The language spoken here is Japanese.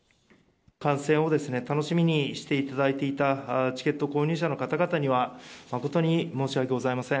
観戦を楽しみにしていただいていたチケット購入者の方々には、誠に申し訳ございません。